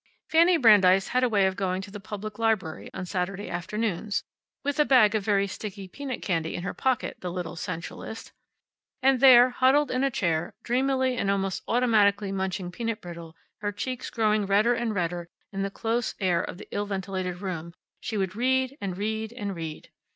Fanny Brandeis had a way of going to the public library on Saturday afternoons (with a bag of very sticky peanut candy in her pocket, the little sensualist!) and there, huddled in a chair, dreamily and almost automatically munching peanut brittle, her cheeks growing redder and redder in the close air of the ill ventilated room, she would read, and read, and read.